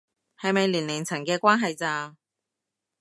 係咪年齡層嘅關係咋